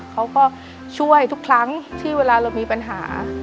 เขาก็ช่วยทุกครั้งที่เวลาเรามีปัญหา